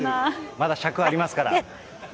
まだ尺ありますから。